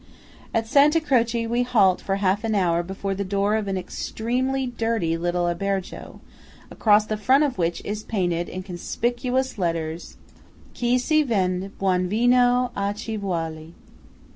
At Santa Croce we halt for half an hour before the door of an extremely dirty little Albergo, across the front of which is painted in conspicuous letters, "Qui si vende buon vino a chi vuole."